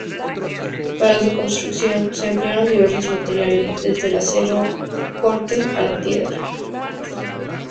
Para su construcción se emplearon diversos materiales, desde el acero corten a la piedra.